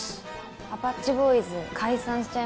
アパッチボーイズ解散しちゃいましたね。